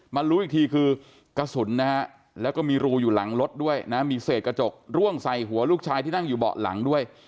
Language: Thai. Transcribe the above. รู้อีกทีคือกระสุนนะฮะแล้วก็มีรูอยู่หลังรถด้วยนะมีเศษกระจกร่วงใส่หัวลูกชายที่นั่งอยู่เบาะหลังด้วย